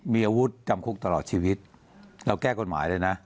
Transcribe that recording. มีอาวุธจำคุกตลอดชีวิตเราแก้กฎหมายเลยนะ